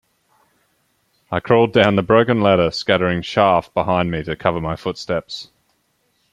I crawled down the broken ladder, scattering chaff behind me to cover my footsteps.